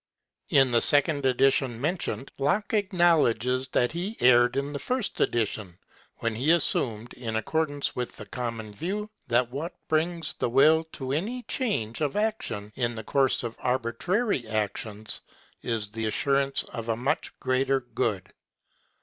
In the second edition mentioned, Locke acknowledges that he erred in the first edition when he assumed, in accordance with the common view, that what brings the will to any change of action in the course of arbitrary actions is the assurance of a much greater good.